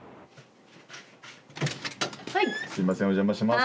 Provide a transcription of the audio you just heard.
すいませんお邪魔します。